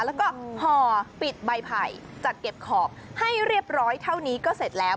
แล้วก็ห่อปิดใบไผ่จัดเก็บขอบให้เรียบร้อยเท่านี้ก็เสร็จแล้ว